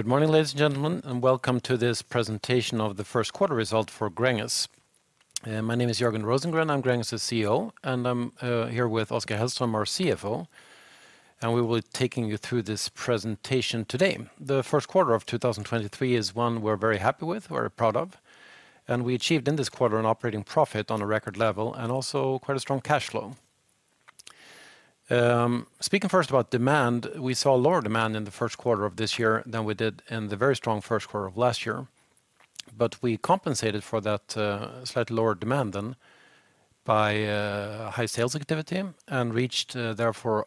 Good morning, ladies and gentlemen, and welcome to this presentation of the first quarter result for Gränges. My name is Jörgen Rosengren. I'm Gränges' CEO, and I'm here with Oskar Hellström, our CFO, and we will be taking you through this presentation today. The first quarter of 2023 is one we're very happy with, we're proud of, and we achieved in this quarter an operating profit on a record level and also quite a strong cash flow. Speaking first about demand, we saw lower demand in the first quarter of this year than we did in the very strong first quarter of last year. We compensated for that, slightly lower demand then by high sales activity and reached, therefore,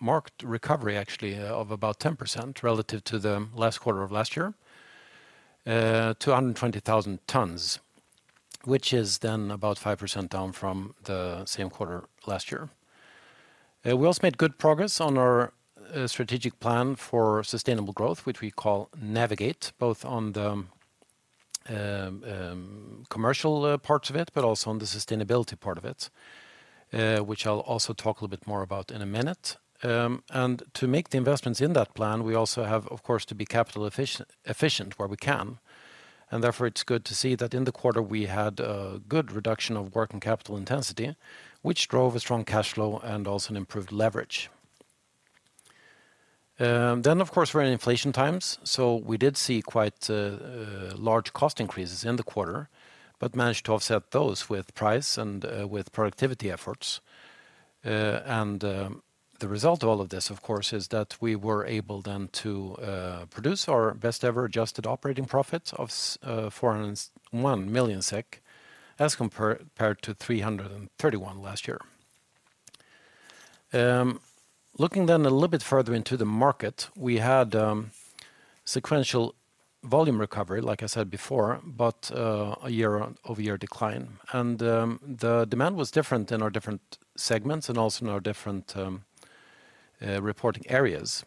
marked recovery actually of about 10% relative to the last quarter of last year, 220,000 tons, which is then about 5% down from the same quarter last year. We also made good progress on our strategic plan for sustainable growth, which we call Navigate, both on the commercial parts of it, but also on the sustainability part of it, which I'll also talk a little bit more about in a minute. To make the investments in that plan, we also have, of course, to be capital efficient where we can, and therefore it's good to see that in the quarter we had a good reduction of working capital intensity, which drove a strong cash flow and also an improved leverage. Then, of course, we're in inflation times, so we did see quite large cost increases in the quarter, but managed to offset those with price and with productivity efforts. The result of all of this, of course, is that we were able then to produce our best ever adjusted operating profit of 401 million SEK as compared to 331 last year. Looking then a little bit further into the market, we had sequential volume recovery, like I said before, but a year-over-year decline. The demand was different in our different segments and also in our different reporting areas.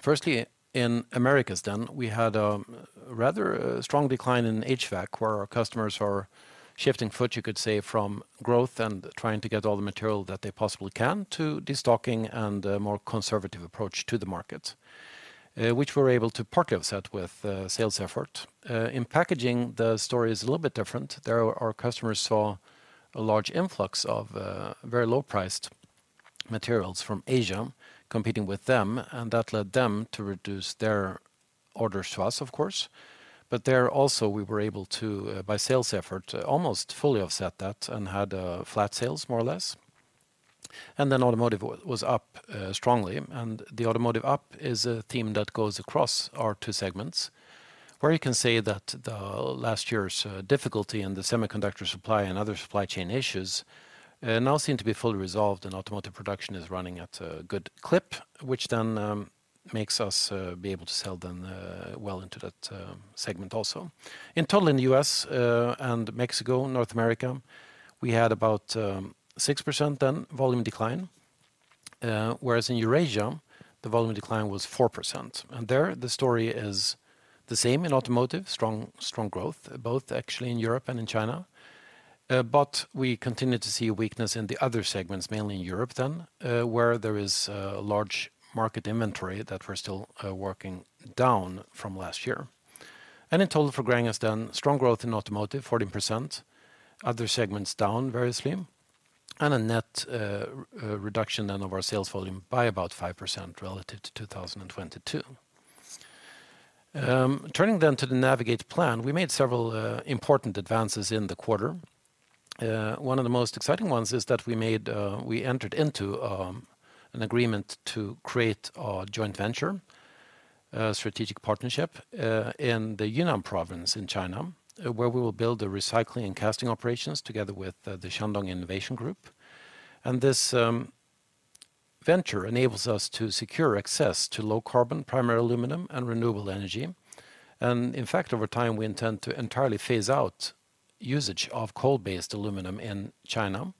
Firstly, in Americas then, we had a rather strong decline in HVAC where our customers are shifting foot, you could say, from growth and trying to get all the material that they possibly can to destocking and a more conservative approach to the market, which we're able to partly offset with sales effort. In packaging, the story is a little bit different. There, our customers saw a large influx of very low-priced materials from Asia competing with them, and that led them to reduce their orders to us, of course. There also, we were able to, by sales effort, almost fully offset that and had flat sales more or less. Automotive was up strongly. The automotive up is a theme that goes across our two segments, where you can say that the last year's difficulty in the semiconductor supply and other supply chain issues now seem to be fully resolved, and automotive production is running at a good clip, which then makes us be able to sell then well into that segment also. In total, in the U.S., and Mexico, North America, we had about 6% then volume decline, whereas in Eurasia, the volume decline was 4%. There the story is the same in automotive, strong growth, both actually in Europe and in China. We continue to see a weakness in the other segments, mainly in Europe then, where there is large market inventory that we're still working down from last year. In total for Gränges then, strong growth in automotive, 14%, other segments down variously, and a net reduction then of our sales volume by about 5% relative to 2022. Turning to the Navigate plan, we made several important advances in the quarter. One of the most exciting ones is that we entered into an agreement to create a joint venture, a strategic partnership, in the Yunnan Province in China, where we will build the recycling and casting operations together with the Shandong Innovation Group. This venture enables us to secure access to low carbon primary aluminum and renewable energy. In fact, over time, we intend to entirely phase out usage of coal-based aluminum in China,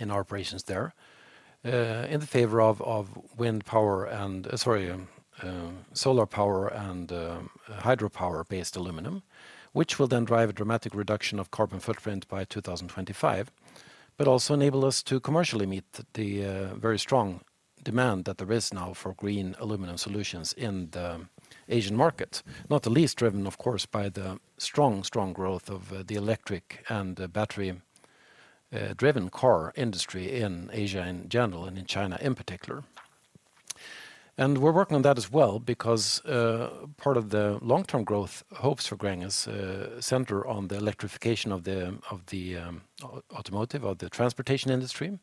in our operations there, in the favor of wind power, sorry, solar power and hydropower-based aluminum, which will then drive a dramatic reduction of carbon footprint by 2025, but also enable us to commercially meet the very strong demand that there is now for green aluminum solutions in the Asian market, not the least driven, of course, by the strong growth of the electric and the battery-driven car industry in Asia in general, and in China in particular. We're working on that as well because part of the long-term growth hopes for Gränges center on the electrification of the, of the automotive or the transportation industry.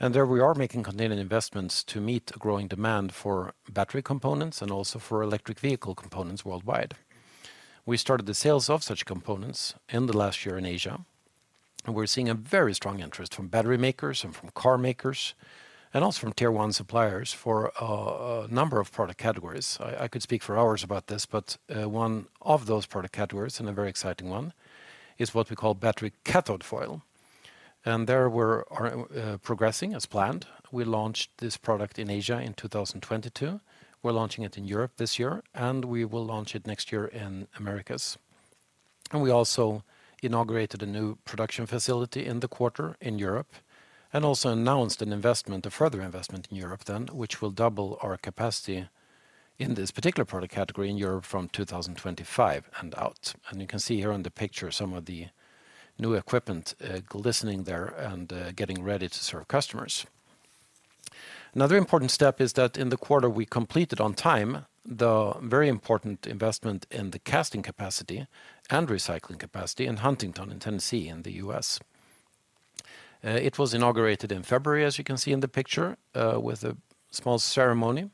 There we are making continuing investments to meet a growing demand for battery components and also for electric vehicle components worldwide. We started the sales of such components in the last year in Asia, and we're seeing a very strong interest from battery makers and from car makers, and also from tier one suppliers for a number of product categories. I could speak for hours about this, but one of those product categories, and a very exciting one, is what we call battery cathode foil. There we're progressing as planned. We launched this product in Asia in 2022. We're launching it in Europe this year, we will launch it next year in Americas. We also inaugurated a new production facility in the quarter in Europe, also announced an investment, a further investment in Europe then, which will double our capacity in this particular product category in Europe from 2025 and out. You can see here on the picture some of the new equipment, glistening there and, getting ready to serve customers. Another important step is that in the quarter we completed on time the very important investment in the casting capacity and recycling capacity in Huntington, in Tennessee, in the U.S. It was inaugurated in February, as you can see in the picture, with a small ceremony.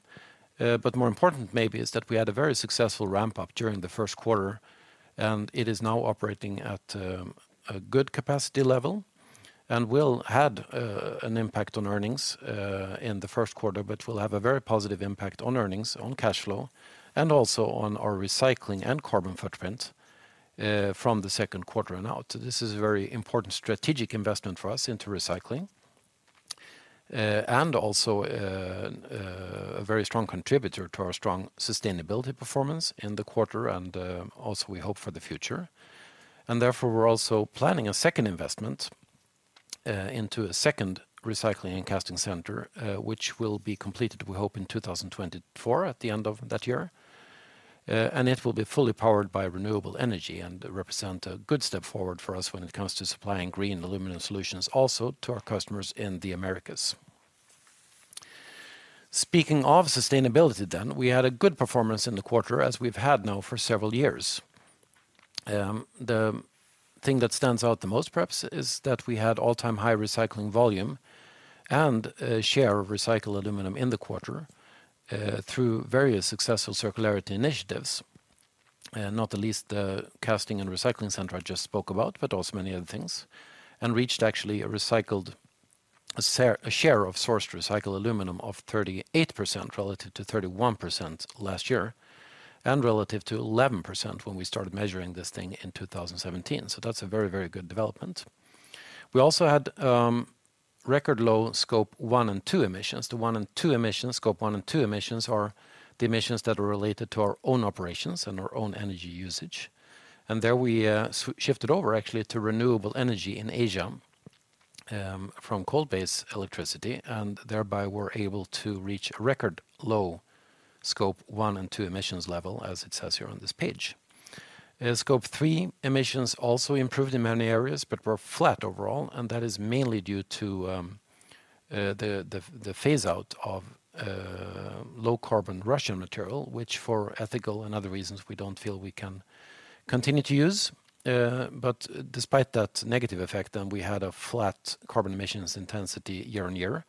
More important maybe is that we had a very successful ramp-up during the first quarter, and it is now operating at a good capacity level and will had an impact on earnings in the first quarter, but will have a very positive impact on earnings, on cash flow, and also on our recycling and carbon footprint from the second quarter and out. This is a very important strategic investment for us into recycling, and also, a very strong contributor to our strong sustainability performance in the quarter and also we hope for the future. Therefore, we're also planning a second investment into a second recycling and casting center, which will be completed, we hope, in 2024, at the end of that year. It will be fully powered by renewable energy and represent a good step forward for us when it comes to supplying green aluminum solutions also to our customers in the Americas. Speaking of sustainability, we had a good performance in the quarter, as we've had now for several years. The thing that stands out the most perhaps is that we had all-time high recycling volume and share of recycled aluminum in the quarter through various successful circularity initiatives, not the least, the casting and recycling center I just spoke about, but also many other things, and reached actually a recycled, a share of sourced recycled aluminum of 38% relative to 31% last year, and relative to 11% when we started measuring this thing in 2017. That's a very, very good development. We also had record low Scope 1 and 2 emissions. Scope 1 and 2 emissions are the emissions that are related to our own operations and our own energy usage. There we shifted over actually to renewable energy in Asia from coal-based electricity, and thereby were able to reach a record low Scope 1 and 2 emissions level, as it says here on this page. Scope 3 emissions also improved in many areas, but were flat overall, and that is mainly due to the phase out of low carbon Russian material, which for ethical and other reasons we don't feel we can continue to use. Despite that negative effect then we had a flat carbon emissions intensity year-on-year,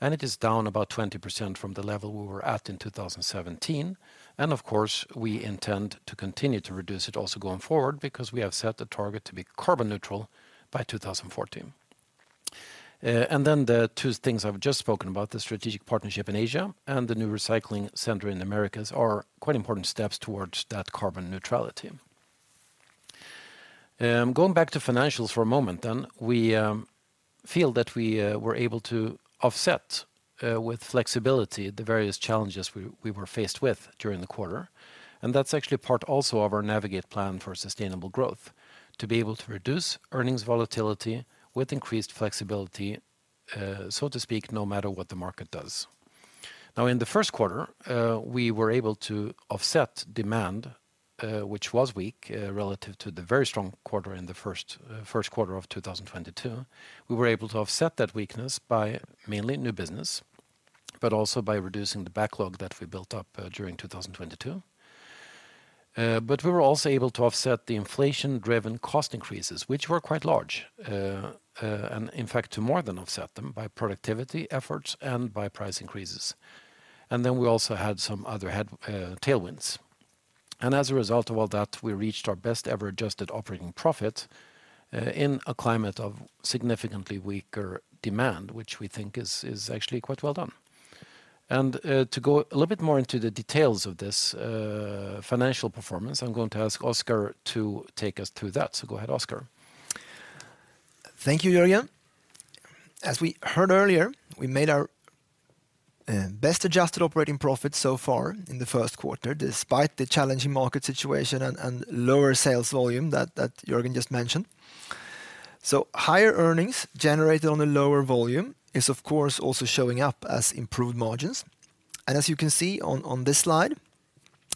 and it is down about 20% from the level we were at in 2017. Of course, we intend to continue to reduce it also going forward because we have set a target to be carbon neutral by 2014. The two things I've just spoken about, the strategic partnership in Asia and the new recycling center in Americas are quite important steps towards that carbon neutrality. Going back to financials for a moment then, we feel that we were able to offset with flexibility the various challenges we were faced with during the quarter. That's actually part also of our Navigate plan for sustainable growth, to be able to reduce earnings volatility with increased flexibility, so to speak, no matter what the market does. In the first quarter, we were able to offset demand, which was weak, relative to the very strong quarter in the first quarter of 2022. We were able to offset that weakness by mainly new business, but also by reducing the backlog that we built up during 2022. We were also able to offset the inflation-driven cost increases, which were quite large, and in fact to more than offset them by productivity efforts and by price increases. We also had some other head, tailwinds. As a result of all that, we reached our best ever adjusted operating profit in a climate of significantly weaker demand, which we think is actually quite well done. To go a little bit more into the details of this financial performance, I'm going to ask Oskar to take us through that. Go ahead, Oskar. Thank you, Jörgen. As we heard earlier, we made our best adjusted operating profit so far in the first quarter, despite the challenging market situation and lower sales volume that Jörgen just mentioned. Higher earnings generated on a lower volume is of course also showing up as improved margins. As you can see on this slide,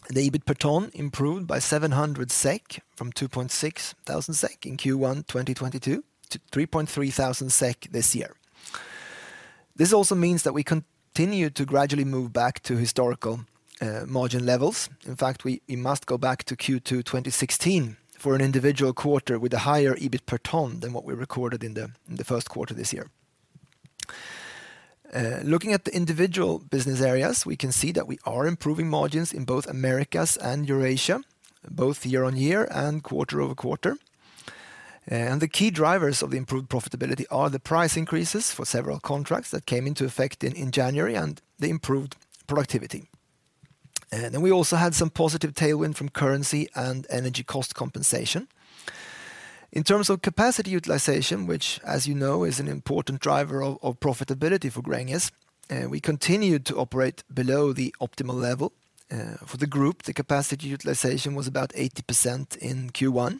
the EBIT per tonne improved by 700 SEK from 2,600 SEK in Q1 2022 to 3,300 SEK this year. This also means that we continue to gradually move back to historical margin levels. In fact, we must go back to Q2 2016 for an individual quarter with a higher EBIT per tonne than what we recorded in the first quarter this year. Looking at the individual business areas, we can see that we are improving margins in both Americas and Eurasia, both year-on-year and quarter-over-quarter. The key drivers of the improved profitability are the price increases for several contracts that came into effect in January and the improved productivity. We also had some positive tailwind from currency and energy cost compensation. In terms of capacity utilization, which as you know, is an important driver of profitability for Gränges, we continued to operate below the optimal level. For the group, the capacity utilization was about 80% in Q1.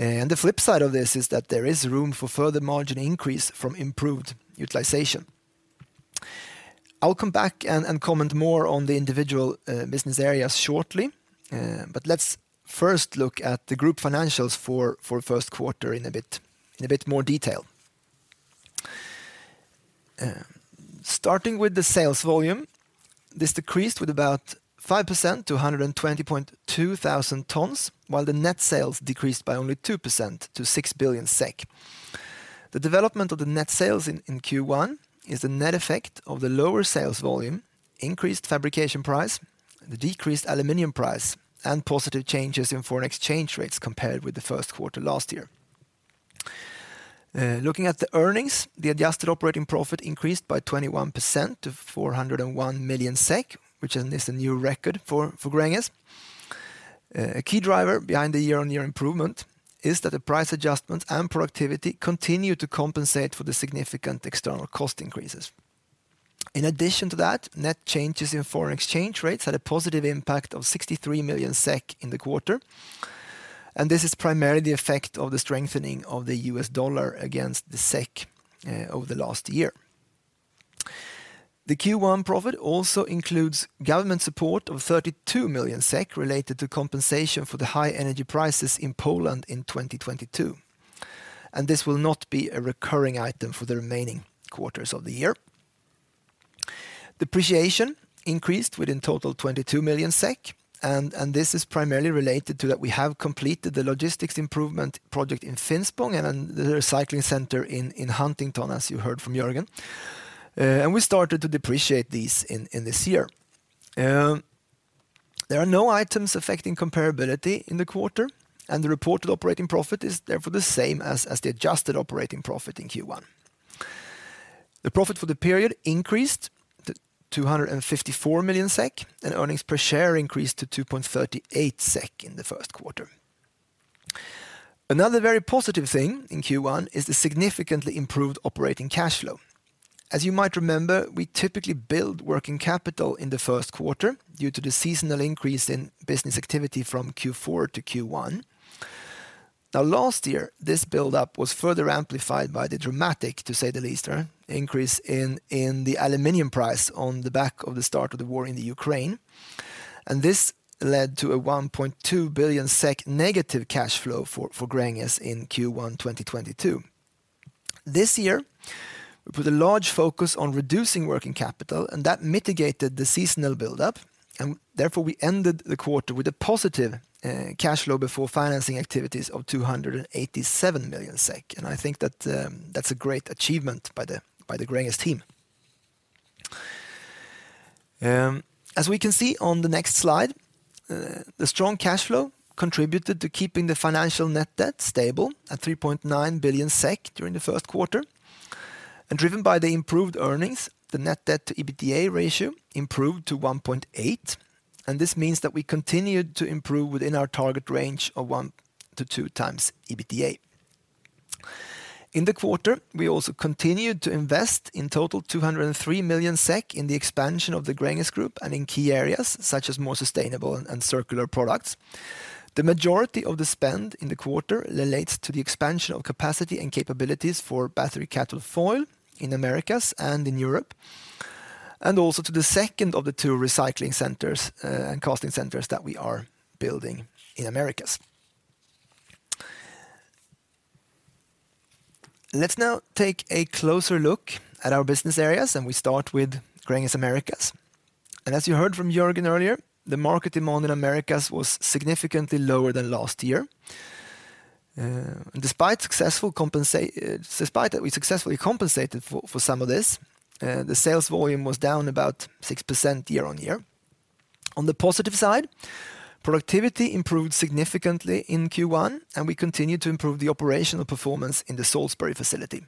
The flip side of this is that there is room for further margin increase from improved utilization. I'll come back and comment more on the individual business areas shortly. Let's first look at the group financials for first quarter in a bit more detail. Starting with the sales volume, this decreased with about 5% to 120.2 thousand tons, while the net sales decreased by only 2% to 6 billion SEK. The development of the net sales in Q1 is the net effect of the lower sales volume, increased fabrication price, the decreased aluminum price, and positive changes in foreign exchange rates compared with the first quarter last year. Looking at the earnings, the adjusted operating profit increased by 21% to 401 million SEK, which is a new record for Gränges. A key driver behind the year-on-year improvement is that the price adjustments and productivity continue to compensate for the significant external cost increases. In addition to that, net changes in foreign exchange rates had a positive impact of 63 million SEK in the quarter. This is primarily the effect of the strengthening of the US dollar against the SEK over the last year. The Q1 profit also includes government support of 32 million SEK related to compensation for the high energy prices in Poland in 2022. This will not be a recurring item for the remaining quarters of the year. Depreciation increased within total 22 million SEK. This is primarily related to that we have completed the logistics improvement project in Finspång and then the recycling center in Huntington, as you heard from Jörgen. We started to depreciate these in this year. There are no items affecting comparability in the quarter, and the reported operating profit is therefore the same as the adjusted operating profit in Q1. The profit for the period increased to 254 million SEK, and earnings per share increased to 2.38 SEK in Q1. Another very positive thing in Q1 is the significantly improved operating cash flow. As you might remember, we typically build working capital in Q1 due to the seasonal increase in business activity from Q4 to Q1. Last year, this build up was further amplified by the dramatic, to say the least, increase in the aluminum price on the back of the start of the war in the Ukraine. This led to a 1.2 billion SEK negative cash flow for Gränges in Q1 2022. This year, we put a large focus on reducing working capital, that mitigated the seasonal build up, and therefore we ended the quarter with a positive cash flow before financing activities of 287 million SEK, I think that's a great achievement by the Gränges team. As we can see on the next slide, the strong cash flow contributed to keeping the financial net debt stable at 3.9 billion SEK during the first quarter. Driven by the improved earnings, the net debt to EBITDA ratio improved to 1.8, this means that we continued to improve within our target range of one to two times EBITDA. In the quarter, we also continued to invest in total 203 million SEK in the expansion of the Gränges Group and in key areas such as more sustainable and circular products. The majority of the spend in the quarter relates to the expansion of capacity and capabilities for battery cathode foil in Americas and in Europe, and also to the second of the two recycling centers and casting centers that we are building in Americas. Let's now take a closer look at our business areas. We start with Gränges Americas. As you heard from Jörgen earlier, the market demand in Americas was significantly lower than last year. Despite that we successfully compensated for some of this, the sales volume was down about 6% year-on-year. On the positive side, productivity improved significantly in Q1, and we continued to improve the operational performance in the Salisbury facility.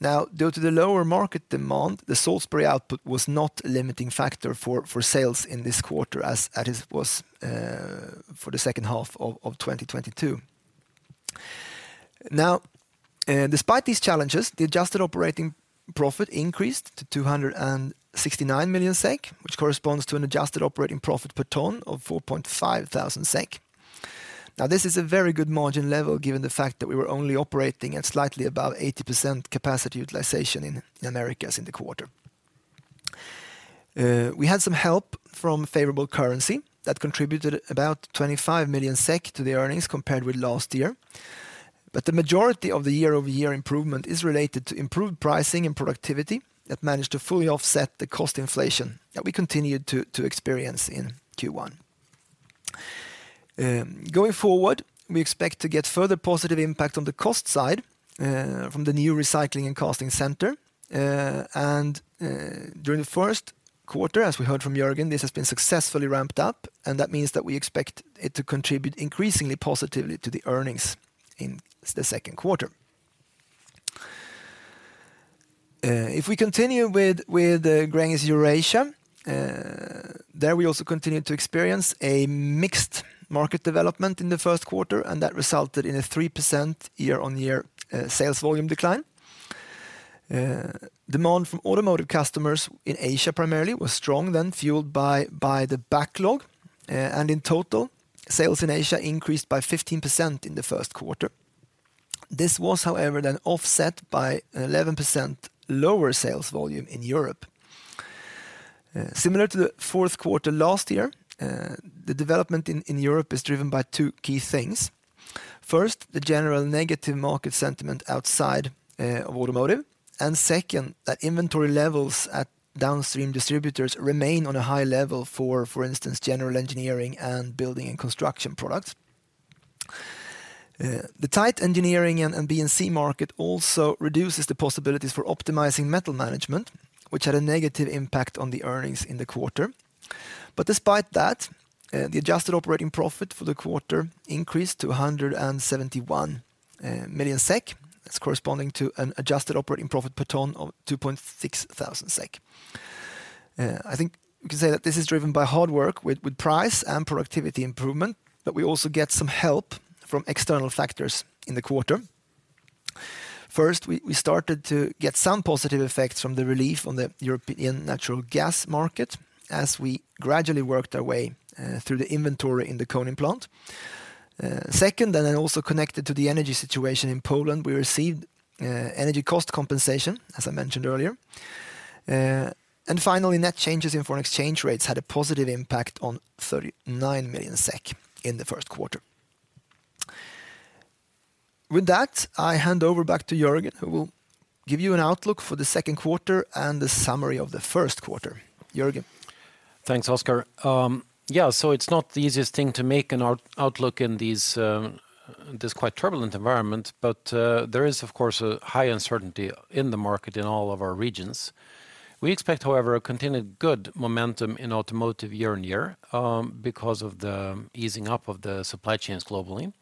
Due to the lower market demand, the Salisbury output was not a limiting factor for sales in this quarter as it was for the second half of 2022. Despite these challenges, the adjusted operating profit increased to 269 million SEK, which corresponds to an adjusted operating profit per ton of 4,500 SEK. This is a very good margin level given the fact that we were only operating at slightly above 80% capacity utilization in Americas in the quarter. We had some help from favorable currency that contributed about 25 million SEK to the earnings compared with last year. The majority of the year-over-year improvement is related to improved pricing and productivity that managed to fully offset the cost inflation that we continued to experience in Q1. Going forward, we expect to get further positive impact on the cost side from the new recycling and casting center. During the first quarter, as we heard from Jörgen, this has been successfully ramped up, and that means that we expect it to contribute increasingly positively to the earnings in the second quarter. If we continue with Gränges Eurasia, there we also continue to experience a mixed market development in the first quarter, and that resulted in a 3% year-on-year sales volume decline. Demand from automotive customers in Asia primarily was strong then fueled by the backlog. In total, sales in Asia increased by 15% in the first quarter. This was, however, then offset by 11% lower sales volume in Europe. Similar to the fourth quarter last year, the development in Europe is driven by two key things. First, the general negative market sentiment outside of automotive, and second, that inventory levels at downstream distributors remain on a high level, for instance, general engineering and building and construction products. The tight engineering and B&C market also reduces the possibilities for optimizing metal management, which had a negative impact on the earnings in the quarter. Despite that, the adjusted operating profit for the quarter increased to 171 million SEK. That's corresponding to an adjusted operating profit per tonne of 2,600 SEK. I think we can say that this is driven by hard work with price and productivity improvement, we also get some help from external factors in the quarter. First, we started to get some positive effects from the relief on the European natural gas market as we gradually worked our way through the inventory in the Konin plant. Second, also connected to the energy situation in Poland, we received energy cost compensation, as I mentioned earlier. Finally, net changes in foreign exchange rates had a positive impact on 39 million SEK in the first quarter. With that, I hand over back to Jörgen, who will give you an outlook for the second quarter and the summary of the first quarter. Jörgen. Thanks, Oskar. Yeah, so it's not the easiest thing to make an outlook in these, this quite turbulent environment, but there is, of course, a high uncertainty in the market in all of our regions. We expect, however, a continued good momentum in automotive year-on-year because of the easing up of the supply chains globally,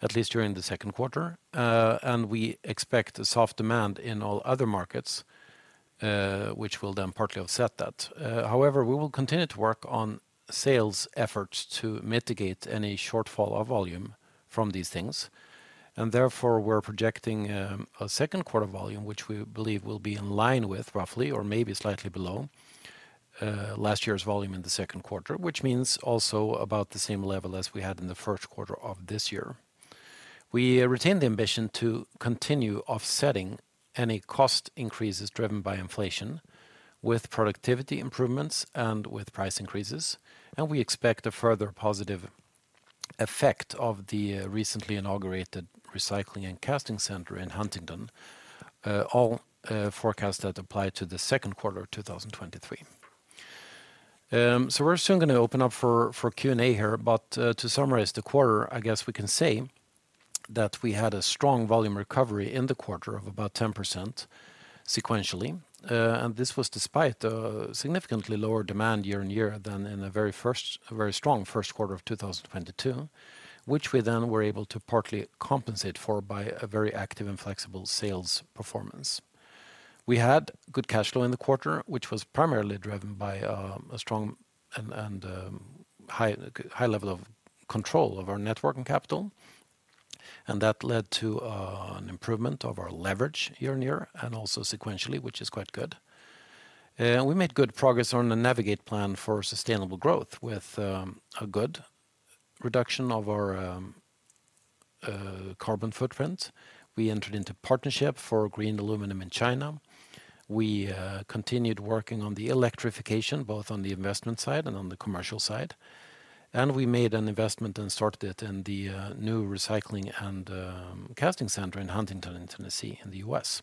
at least during the second quarter. We expect a soft demand in all other markets, which will then partly offset that. However, we will continue to work on sales efforts to mitigate any shortfall of volume from these things. Therefore, we're projecting a second quarter volume, which we believe will be in line with roughly or maybe slightly below last year's volume in the second quarter, which means also about the same level as we had in the first quarter of this year. We retain the ambition to continue offsetting any cost increases driven by inflation with productivity improvements and with price increases, and we expect a further positive effect of the recently inaugurated recycling and casting center in Huntington, all forecasts that apply to the second quarter of 2023. We're soon gonna open up for Q&A here. To summarize the quarter, I guess we can say that we had a strong volume recovery in the quarter of about 10% sequentially. This was despite a significantly lower demand year-on-year than in a very strong first quarter of 2022, which we then were able to partly compensate for by a very active and flexible sales performance. We had good cash flow in the quarter, which was primarily driven by a strong and high level of control of our net working capital. That led to an improvement of our leverage year-on-year and also sequentially, which is quite good. We made good progress on the Navigate plan for sustainable growth with a good reduction of our carbon footprint. We entered into partnership for green aluminum in China. We continued working on the electrification, both on the investment side and on the commercial side. We made an investment and started in the new recycling and casting center in Huntington, in Tennessee, in the U.S.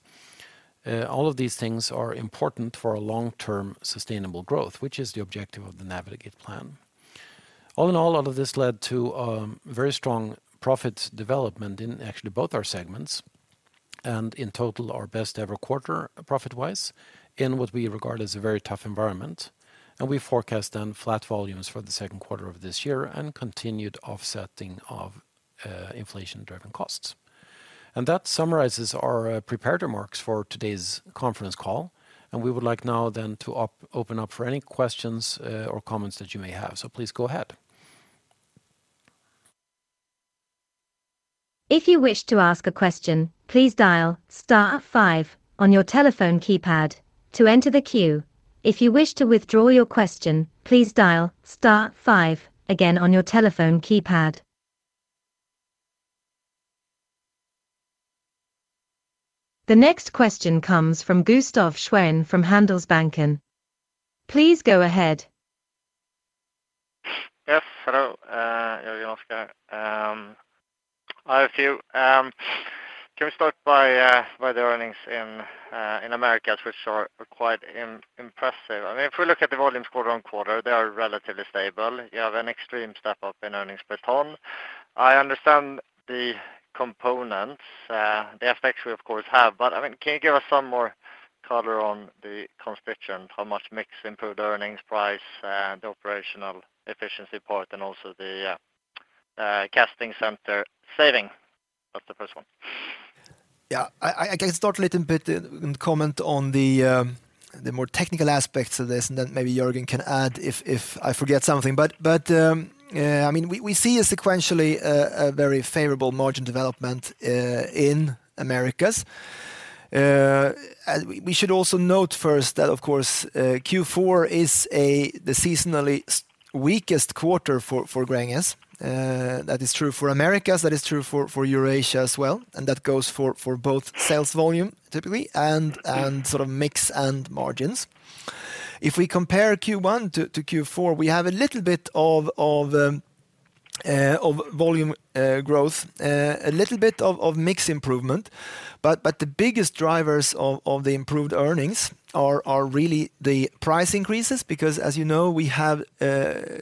All of these things are important for our long-term sustainable growth, which is the objective of the Navigate plan. All in all, a lot of this led to very strong profit development in actually both our segments and in total our best ever quarter profit-wise in what we regard as a very tough environment. We forecast then flat volumes for the second quarter of this year and continued offsetting of inflation-driven costs. That summarizes our prepared remarks for today's conference call, and we would like now then to open up for any questions or comments that you may have. Please go ahead. If you wish to ask a question, please dial star five on your telephone keypad to enter the queue. If you wish to withdraw your question, please dial star five again on your telephone keypad. The next question comes from Gustaf Schwerin from Handelsbanken. Please go ahead. Yes. Hello, Jörgen and Oskar. I have a few. Can we start by the earnings in Americas, which are quite impressive? I mean, if we look at the volumes quarter-on-quarter, they are relatively stable. You have an extreme step-up in earnings per tonne. I understand the components, the effects we of course have. I mean, can you give us some more color on the constituents? How much mix improved earnings, price, and operational efficiency part, and also the casting center saving. That's the first one. Yeah. I can start a little bit and comment on the more technical aspects of this, then maybe Jörgen can add if I forget something. I mean, we see a sequentially a very favorable margin development in Americas. We should also note first that, of course, Q4 is the seasonally weakest quarter for Gränges. That is true for Americas, that is true for Eurasia as well, and that goes for both sales volume typically and sort of mix and margins. If we compare Q1 to Q4, we have a little bit of volume growth, a little bit of mix improvement, but the biggest drivers of the improved earnings are really the price increases because as you know, we have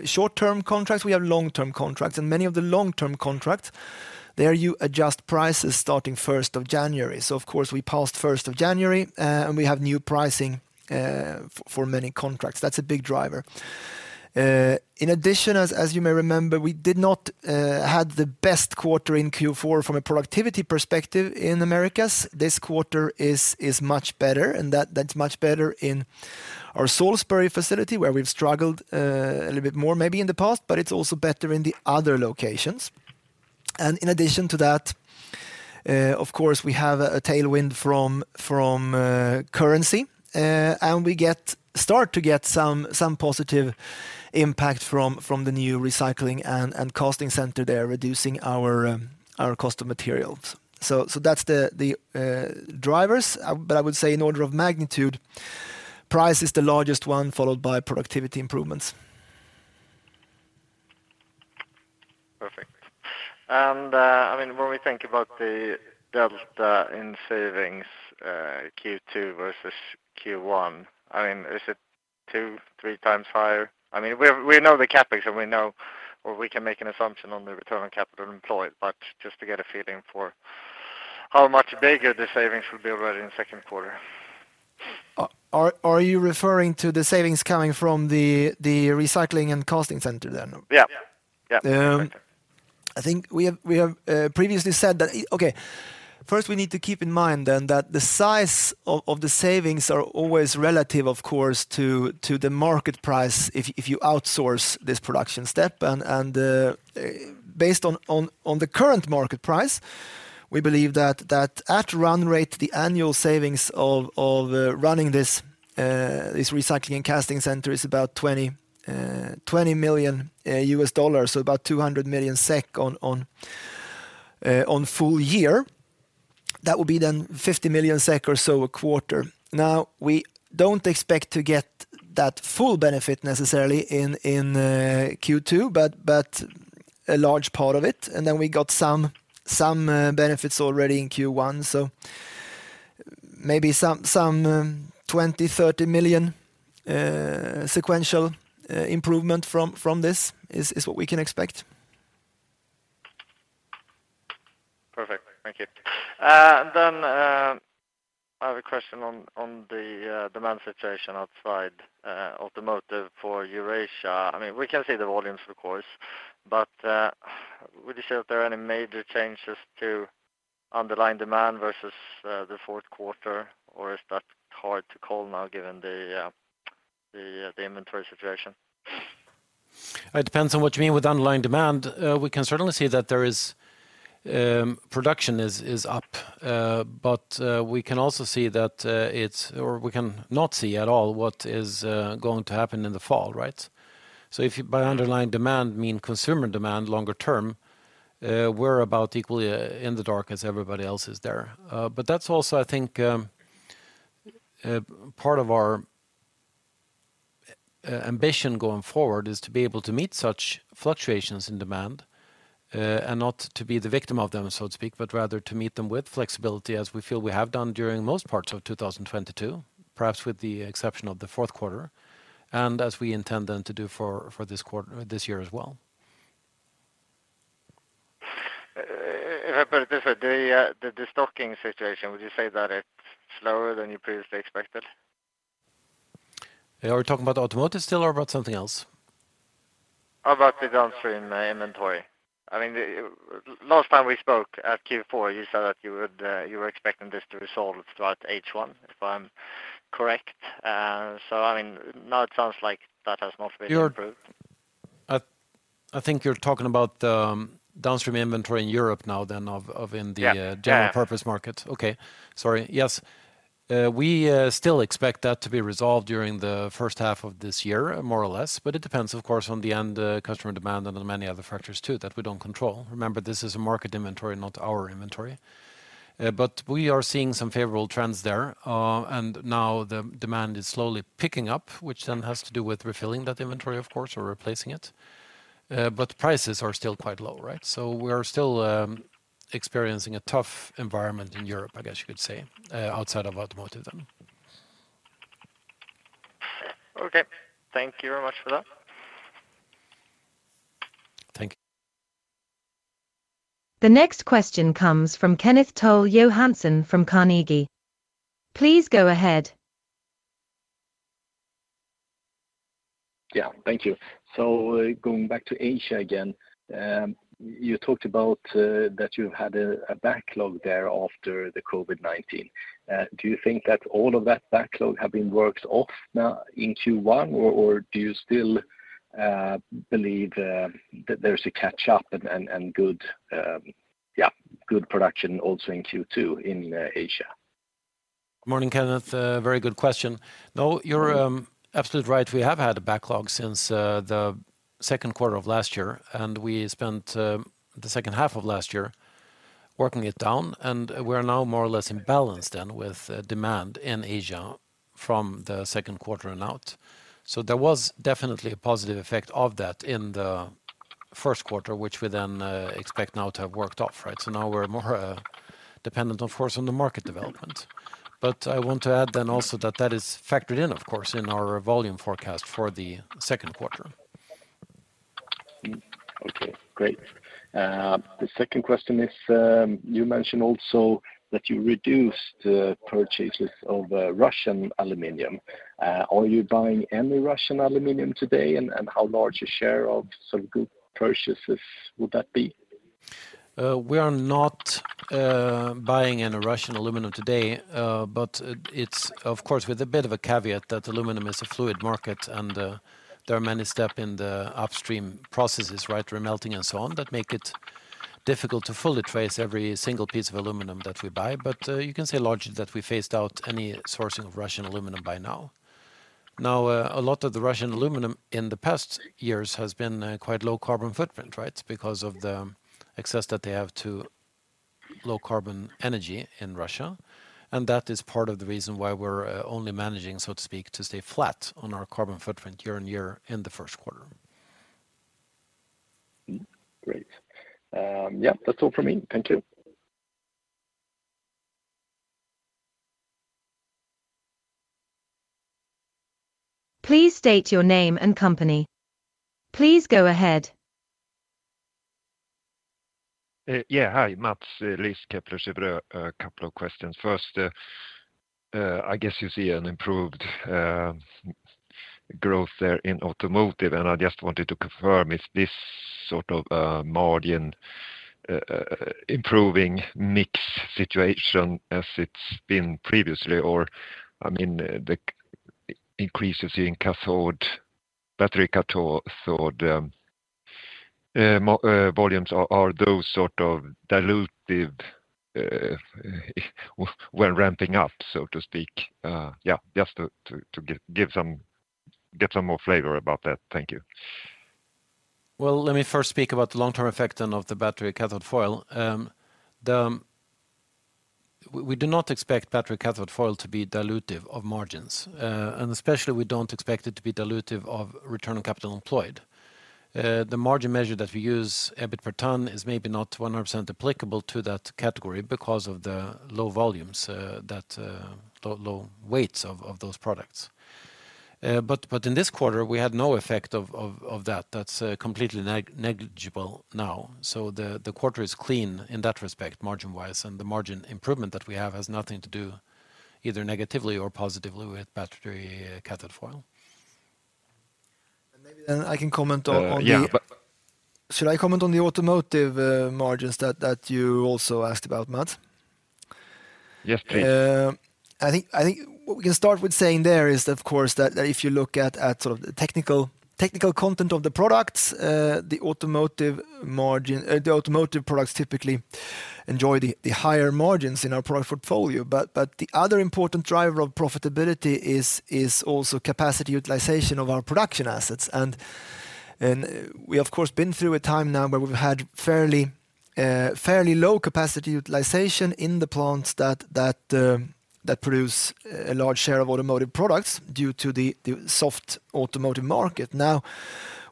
short-term contracts, we have long-term contracts, and many of the long-term contracts, there you adjust prices starting first of January. Of course, we passed first of January, and we have new pricing for many contracts. That's a big driver. In addition, as you may remember, we did not have the best quarter in Q4 from a productivity perspective in Americas. This quarter is much better and that's much better in our Salisbury facility, where we've struggled a little bit more maybe in the past, but it's also better in the other locations. In addition to that, of course, we have a tailwind from currency, and we start to get some positive impact from the new recycling and casting center there, reducing our cost of materials. That's the drivers. I would say in order of magnitude, price is the largest one, followed by productivity improvements. Perfect. I mean, when we think about the delta in savings, Q2 versus Q1, I mean, is it two, three times higher? I mean, we know the CapEx, and we know or we can make an assumption on the return on capital employed, but just to get a feeling for how much bigger the savings will be already in the second quarter. Are you referring to the savings coming from the recycling and casting center then? Yeah. Yeah. I think we have previously said that. Okay, first, we need to keep in mind then that the size of the savings are always relative, of course, to the market price if you outsource this production step and based on the current market price, we believe that at run rate, the annual savings of running this recycling and casting center is about $20 million, so about 200 million SEK on full year. That would be then 50 million SEK or so a quarter. Now, we don't expect to get that full benefit necessarily in Q2, but a large part of it, and then we got some benefits already in Q1. Maybe some 20 million-30 million sequential improvement from this is what we can expect. Perfect. Thank you. Then, I have a question on the demand situation outside automotive for Eurasia. I mean, we can see the volumes of course, but, would you say that there are any major changes to underlying demand versus the fourth quarter, or is that hard to call now given the inventory situation? It depends on what you mean with underlying demand. We can certainly see that there is, production is up, but we can also see that, or we can not see at all what is, going to happen in the fall, right? If you by underlying demand mean consumer demand longer term, we're about equally in the dark as everybody else is there. That's also I think, part of our ambition going forward is to be able to meet such fluctuations in demand, and not to be the victim of them, so to speak, but rather to meet them with flexibility as we feel we have done during most parts of 2022, perhaps with the exception of the fourth quarter, and as we intend then to do for this year as well. If I put it this way, the stocking situation, would you say that it's slower than you previously expected? Are we talking about automotive still or about something else? About the downstream inventory. I mean, the last time we spoke at Q4, you said that you would, you were expecting this to resolve throughout H1, if I'm correct? I mean, now it sounds like that has not been improved. I think you're talking about the downstream inventory in Europe now then of. Yeah. Yeah... general purpose market. Okay. Sorry. Yes. we still expect that to be resolved during the first half of this year, more or less, but it depends, of course, on the end customer demand and on many other factors too that we don't control. Remember, this is a market inventory, not our inventory, but we are seeing some favorable trends there, and now the demand is slowly picking up, which then has to do with refilling that inventory of course, or replacing it. But prices are still quite low, right? we are still experiencing a tough environment in Europe, I guess you could say, outside of automotive then. Okay. Thank you very much for that. Thank you. The next question comes from Kenneth Toll Johansson from Carnegie. Please go ahead. Yeah. Thank you. Going back to Asia again, you talked about that you've had a backlog there after the COVID-19. Do you think that all of that backlog have been worked off now in Q1 or do you still believe that there's a catch-up and good, yeah, good production also in Q2 in Asia? Morning, Kenneth. A very good question. You're absolutely right. We have had a backlog since the second quarter of last year, and we spent the second half of last year working it down, and we're now more or less in balance then with demand in Asia from the second quarter and out. There was definitely a positive effect of that in the first quarter, which we then expect now to have worked off, right? Now we're more dependent of course on the market development. I want to add then also that that is factored in, of course, in our volume forecast for the second quarter. Okay. Great. The second question is, you mentioned also that you reduced purchases of Russian aluminum. Are you buying any Russian aluminum today? How large a share of sort of good purchases would that be? We are not buying any Russian aluminum today, but it's of course with a bit of a caveat that aluminum is a fluid market, and there are many step in the upstream processes, right, re-melting and so on, that make it difficult to fully trace every single piece of aluminum that we buy. You can say largely that we phased out any sourcing of Russian aluminum by now. Now, a lot of the Russian aluminum in the past years has been quite low carbon footprint, right? Because of the access that they have to low carbon energy in Russia, and that is part of the reason why we're only managing, so to speak, to stay flat on our carbon footprint year-on-year in the first quarter. Great. Yeah, that's all from me. Thank you. Please state your name and company. Please go ahead. Yeah. Hi. Mats Liss, Kepler Cheuvreux. A couple of questions. First, I guess you see an improved, growth there in automotive, and I just wanted to confirm if this sort of, margin, improving mix situation as it's been previously, or, I mean, the increases in cathode, battery cathode, volumes are those sort of dilutive, when ramping up, so to speak? Yeah, just to get some more flavor about that. Thank you. Let me first speak about the long-term effect then of the battery cathode foil. We do not expect battery cathode foil to be dilutive of margins. Especially we don't expect it to be dilutive of return on capital employed. The margin measure that we use, EBIT per tonne, is maybe not 100% applicable to that category because of the low volumes that the low weights of those products. But in this quarter we had no effect of that. That's completely negligible now. The quarter is clean in that respect margin-wise, and the margin improvement that we have has nothing to do either negatively or positively with battery cathode foil. Maybe then I can comment on. Yeah. Should I comment on the automotive margins that you also asked about, Mats? Yes, please. I think what we can start with saying there is of course that if you look at sort of the technical content of the products, the automotive products typically enjoy the higher margins in our product portfolio. The other important driver of profitability is also capacity utilization of our production assets. We of course been through a time now where we've had fairly low capacity utilization in the plants that produce a large share of automotive products due to the soft automotive market. Now,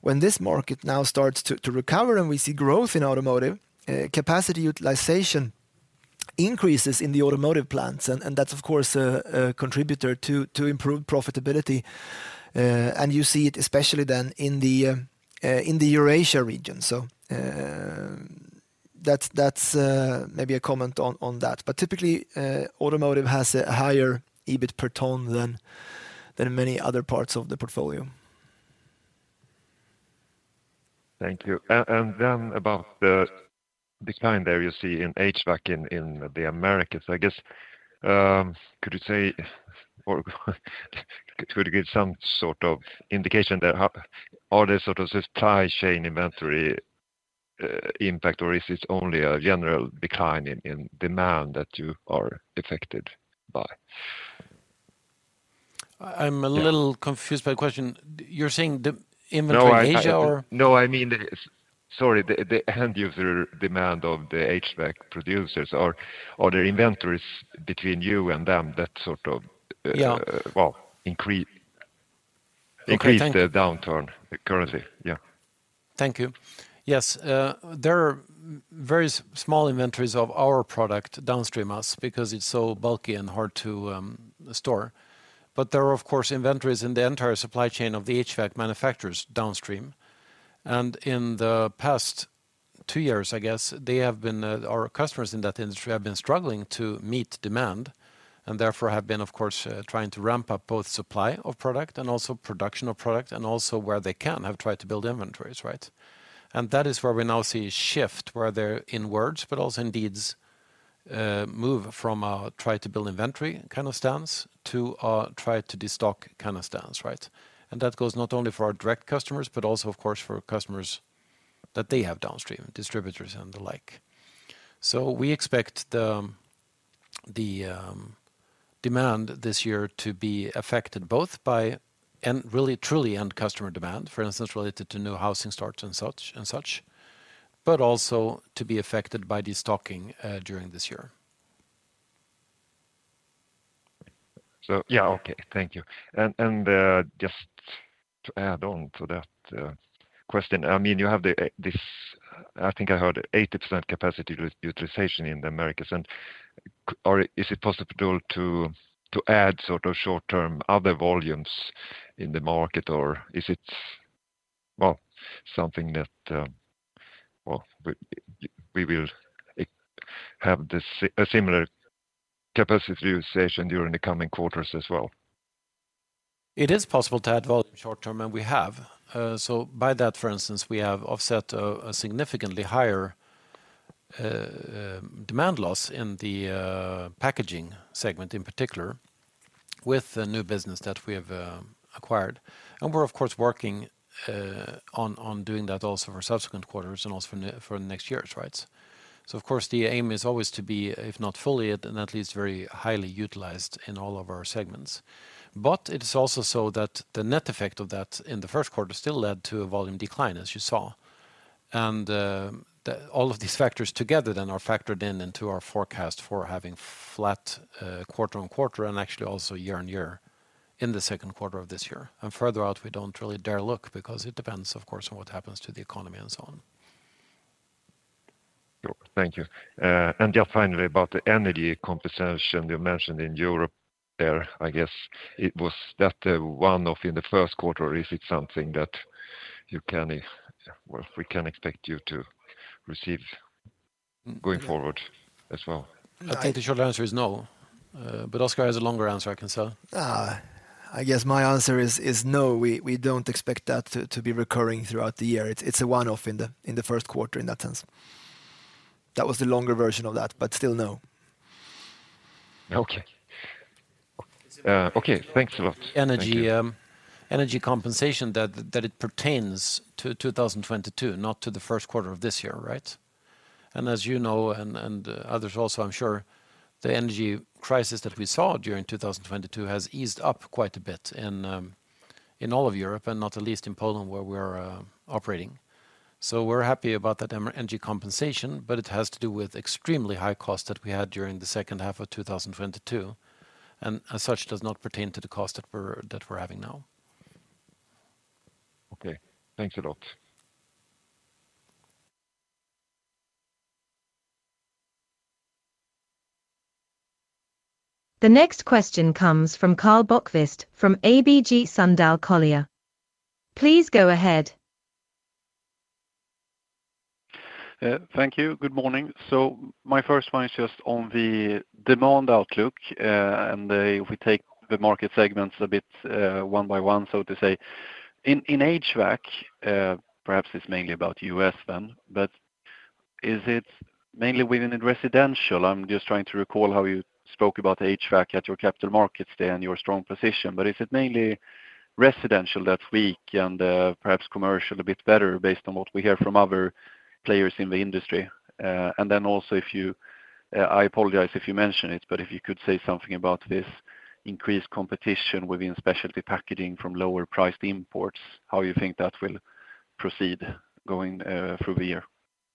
when this market now starts to recover and we see growth in automotive, capacity utilization increases in the automotive plants and that's of course a contributor to improved profitability. You see it especially then in the Eurasia region. That's maybe a comment on that. Typically, automotive has a higher EBIT per tonne than many other parts of the portfolio. Thank you. Then about the decline there you see in HVAC in the Americas, I guess, could you say, or could you give some sort of indication there? Are there sort of supply chain inventory impact, or is it only a general decline in demand that you are affected by? I'm a little- Yeah... confused by the question. You're saying the inventory in Asia or- No, I mean, sorry, the end user demand of the HVAC producers or their inventories between you and them, that sort of- Yeah... well, increase. Okay. Thank you. Increase the downturn currently. Yeah. Thank you. Yes. There are very small inventories of our product downstream us because it's so bulky and hard to store, but there are of course inventories in the entire supply chain of the HVAC manufacturers downstream. In the past two years, I guess, they have been, our customers in that industry have been struggling to meet demand, and therefore have been, of course, trying to ramp up both supply of product and also production of product, and also where they can have tried to build inventories, right? That is where we now see a shift where they're in words, but also in deeds, move from a try to build inventory kind of stance to a try to de-stock kind of stance, right? That goes not only for our direct customers, but also, of course, for customers that they have downstream, distributors and the like. We expect the demand this year to be affected both by and really truly end customer demand, for instance, related to new housing starts and such and such, but also to be affected by de-stocking during this year. Yeah. Okay. Thank you. Just to add on to that, question, I mean, you have the, this I think I heard 80% capacity utilization in the Americas. Or is it possible to add sort of short term other volumes in the market? Or is it, well, something that, well, we will have a similar capacity utilization during the coming quarters as well? It is possible to add volume short term, and we have. By that, for instance, we have offset a significantly higher demand loss in the packaging segment, in particular, with the new business that we have acquired. We're of course working on doing that also for subsequent quarters and also for next year's, right? Of course, the aim is always to be, if not fully, then at least very highly utilized in all of our segments. But, it is also so that the net effect of that in the first quarter still led to a volume decline, as you saw. All of these factors together then are factored in into our forecast for having flat quarter-on-quarter and actually also year-on-year in the second quarter of this year. Further out, we don't really dare look because it depends, of course, on what happens to the economy and so on. Sure. Thank you. Just finally, about the energy compensation you mentioned in Europe there, I guess it was that, one of in the first quarter or is it something that, well, we can expect you to receive going forward as well? I think the short answer is no, but Oskar has a longer answer, I can say. I guess my answer is no, we don't expect that to be recurring throughout the year. It's a one-off in the first quarter in that sense. That was the longer version of that. Still, no. Okay. Okay. Thanks a lot. Thank you. Energy compensation that it pertains to 2022, not to the first quarter of this year, right? As you know, and others also, I'm sure, the energy crisis that we saw during 2022 has eased up quite a bit in all of Europe, not at least in Poland where we're operating. We're happy about that energy compensation, but it has to do with extremely high costs that we had during the second half of 2022, as such, does not pertain to the cost that we're having now. Okay. Thanks a lot. The next question comes from Karl Bokvist from ABG Sundal Collier. Please go ahead. Thank you. Good morning. My first one is just on the demand outlook, and if we take the market segments a bit one by one, so to say. In HVAC, perhaps it's mainly about U.S. then, but is it mainly within residential? I'm just trying to recall how you spoke about HVAC at your capital markets day and your strong position, but is it mainly residential that's weak and perhaps commercial a bit better based on what we hear from other players in the industry? Then also if you, I apologize if you mention it, but if you could say something about this increased competition within specialty packaging from lower priced imports, how you think that will proceed going through the year?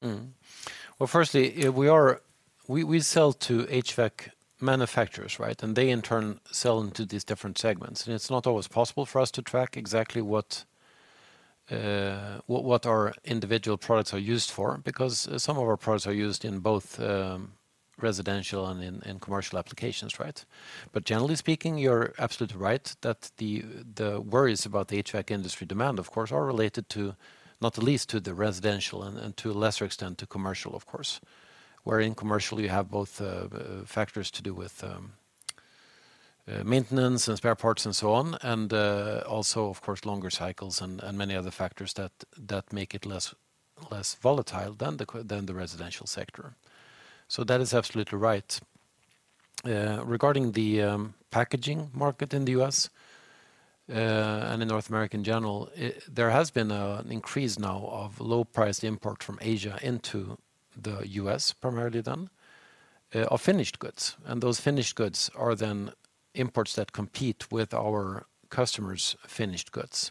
Well, firstly, we sell to HVAC manufacturers, right? They in turn sell into these different segments. It's not always possible for us to track exactly what our individual products are used for, because some of our products are used in both residential and in commercial applications, right? Generally speaking, you're absolutely right that the worries about the HVAC industry demand, of course, are related to, not least to the residential and to a lesser extent, to commercial, of course. Where in commercial, you have both factors to do with maintenance and spare parts and so on, and also, of course, longer cycles and many other factors that make it less volatile than the residential sector. That is absolutely right. Regarding the packaging market in the U.S., and in North America in general, there has been an increase now of low priced import from Asia into the U.S. primarily done of finished goods. Those finished goods are then imports that compete with our customers' finished goods.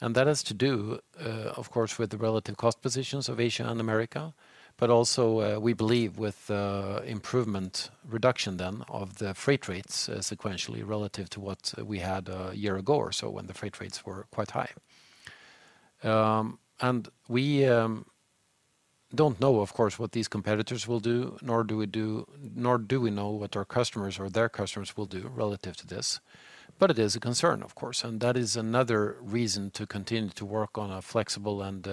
That has to do, of course, with the relative cost positions of Asia and America, but also, we believe with improvement reduction then of the freight rates, sequentially relative to what we had a year ago or so when the freight rates were quite high. We don't know, of course, what these competitors will do, nor do we know what our customers or their customers will do relative to this. It is a concern, of course. That is another reason to continue to work on a flexible and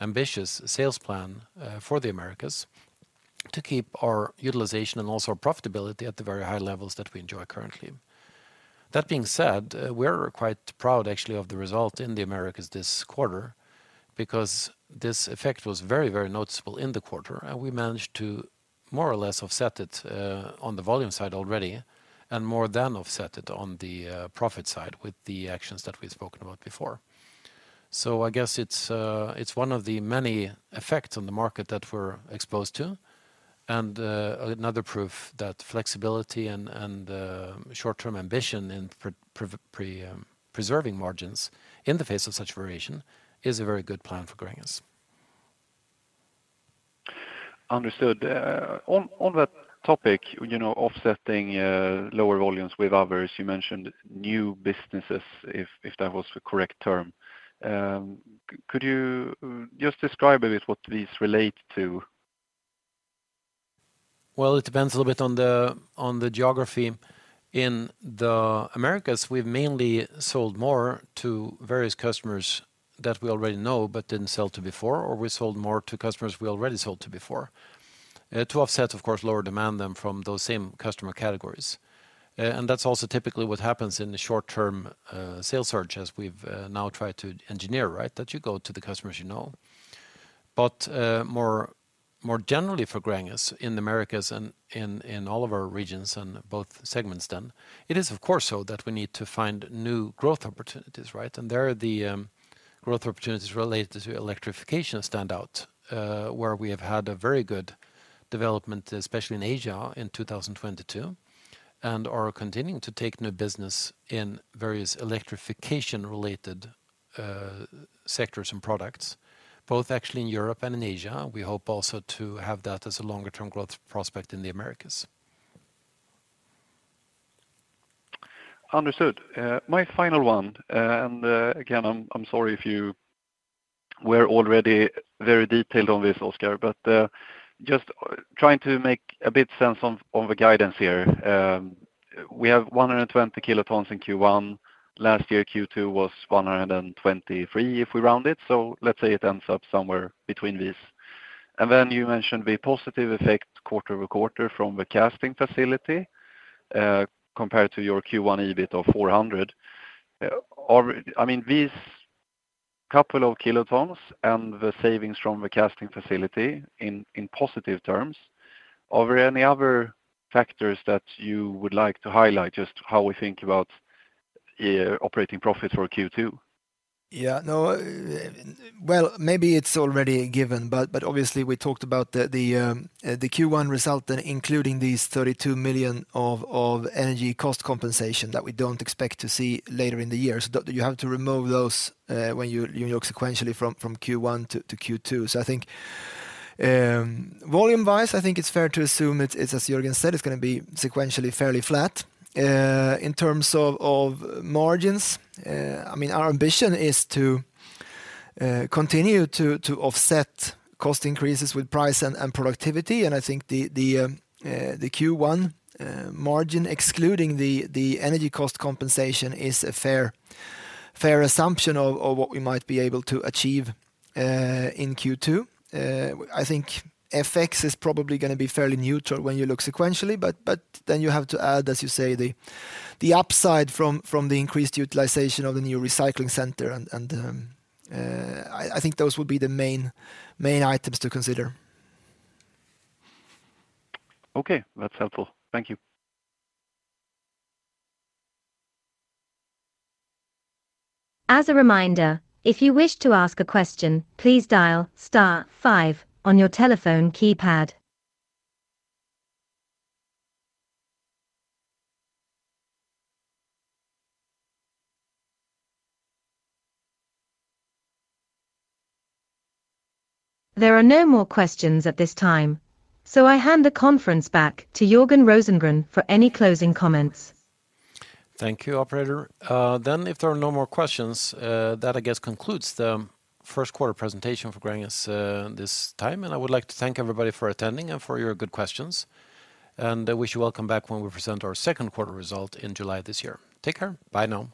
ambitious sales plan for the Americas. To keep our utilization and also our profitability at the very high levels that we enjoy currently. That being said, we're quite proud actually of the result in the Americas this quarter because this effect was very, very noticeable in the quarter, and we managed to more or less offset it on the volume side already, and more than offset it on the profit side with the actions that we've spoken about before. I guess it's one of the many effects on the market that we're exposed to, and another proof that flexibility and short-term ambition in preserving margins in the face of such variation is a very good plan for Gränges. Understood. On that topic, you know, offsetting lower volumes with others, you mentioned new businesses, if that was the correct term. Could you just describe a bit what these relate to? Well, it depends a little bit on the, on the geography. In the Americas, we've mainly sold more to various customers that we already know but didn't sell to before, or we sold more to customers we already sold to before, to offset, of course, lower demand than from those same customer categories. That's also typically what happens in the short term, sales search as we've now tried to engineer, right? That you go to the customers you know. More generally for Gränges in the Americas and in all of our regions and both segments then, it is of course so that we need to find new growth opportunities, right? There, the growth opportunities related to electrification stand out, where we have had a very good development, especially in Asia in 2022, and are continuing to take new business in various electrification-related sectors and products, both actually in Europe and in Asia. We hope also to have that as a longer term growth prospect in the Americas. Understood. My final one, and again, I'm sorry if you were already very detailed on this, Oskar, but just trying to make a bit sense on the guidance here. We have 120 kilotons in Q1. Last year, Q2 was 123, if we round it, so let's say it ends up somewhere between these. Then you mentioned the positive effect quarter-over-quarter from the casting facility, compared to your Q1 EBIT of 400. I mean, these couple of kilotons and the savings from the casting facility in positive terms, are there any other factors that you would like to highlight? Just how we think about operating profits for Q2? Well, maybe it's already given, but obviously we talked about the Q1 result, and including these 32 million of energy cost compensation that we don't expect to see later in the year. You have to remove those when you look sequentially from Q1 to Q2. I think volume-wise, I think it's fair to assume it's as Jörgen said, it's gonna be sequentially fairly flat. In terms of margins, I mean, our ambition is to continue to offset cost increases with price and productivity, I think the Q1 margin, excluding the energy cost compensation is a fair assumption of what we might be able to achieve in Q2. I think FX is probably gonna be fairly neutral when you look sequentially, but then you have to add, as you say, the upside from the increased utilization of the new recycling center and I think those would be the main items to consider. Okay, that's helpful. Thank you. As a reminder, if you wish to ask a question, please dial star five on your telephone keypad. There are no more questions at this time, so I hand the conference back to Jörgen Rosengren for any closing comments. Thank you, operator. Then, If there are no more questions, that I guess concludes the first quarter presentation for Gränges, this time. I would like to thank everybody for attending and for your good questions, and I wish you welcome back when we present our second quarter result in July this year. Take care. Bye now.